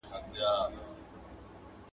ټولنيز عدالت په سياسي نظام کي څه ارزښت لري؟